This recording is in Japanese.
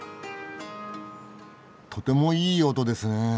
とてもいい音ですねえ。